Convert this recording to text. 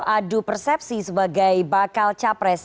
adu persepsi sebagai bakal capres